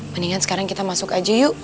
mendingan sekarang kita masuk aja yuk